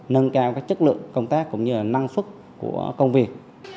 nâng cao các chất lượng công tác cũng như là năng phức của công việc